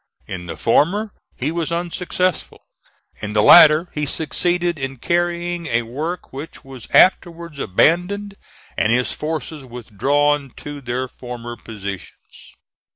In the former he was unsuccessful; in the latter he succeeded in carrying a work which was afterwards abandoned, and his forces withdrawn to their former positions.